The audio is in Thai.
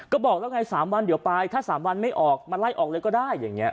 ก็บอกแล้วไง๓วันเดี๋ยวไปถ้า๓วันไม่ออกมาไล่ออกเลยก็ได้อย่างนี้